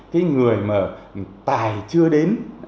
cái người mà tài chưa đến